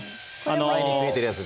前についてるやつで。